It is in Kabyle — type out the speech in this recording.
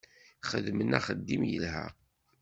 Xedmen axeddim yelha.